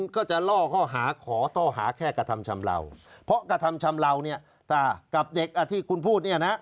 กระทำชำลาวเนี่ยกับเด็กที่คุณพูดเนี่ยนะ